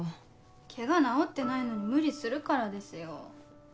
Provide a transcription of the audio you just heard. ケガ治ってないのに無理するからですよ。